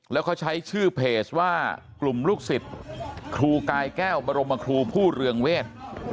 แล้วเขาใช้ชื่อเพจว่ากลุ่มลูกศิษย์ครูกายแก้วบรมครูผู้เรืองเวท